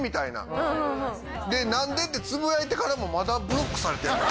何で？ってつぶやいてからもまだブロックされてんねん。